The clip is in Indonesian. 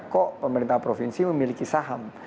kok pemerintah provinsi memiliki saham